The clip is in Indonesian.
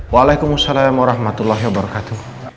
waalaikumsalam warahmatullahi wabarakatuh